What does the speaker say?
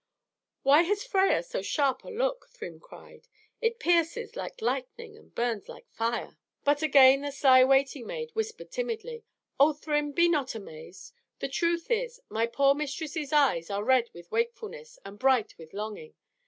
"Why has Freia so sharp a look?" Thrym cried. "It pierces like lightning and burns like fire." But again the sly waiting maid whispered timidly, "Oh, Thrym, be not amazed! The truth is, my poor mistress's eyes are red with wakefulness and bright with longing.